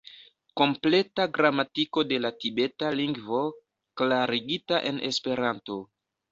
Kompleta Gramatiko de la Tibeta Lingvo klarigita en Esperanto.